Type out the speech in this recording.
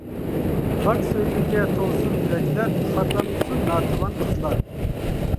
پاك سۆيگۈگە تولسۇن يۈرەكلەر، خارلانمىسۇن ناتىۋان قىزلار.